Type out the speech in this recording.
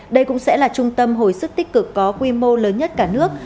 đây cũng sẽ là trung tâm hồi sức tích cực có quy mô lớn nhất cả nước